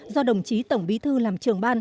do đồng chí tổng bí thư làm trưởng